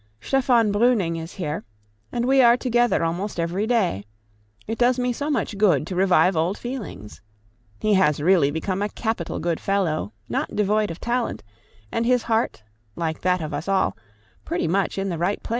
Stephan Breuning is here, and we are together almost every day; it does me so much good to revive old feelings! He has really become a capital good fellow, not devoid of talent, and his heart, like that of us all, pretty much in the right place.